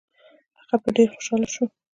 هغه ډېر خوشاله شو.